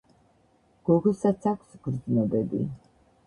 გოგოსაც აქვს გრძნობები